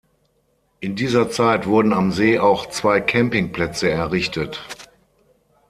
In dieser Zeit wurden am See auch zwei Camping-Plätze errichtet.